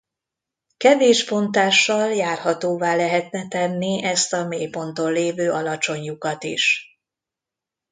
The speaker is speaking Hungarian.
Kevés bontással járhatóvá lehetne tenni ezt a mélyponton lévő alacsony lyukat is.